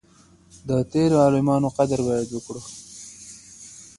د تيرو عالمانو قدر بايد وکړو.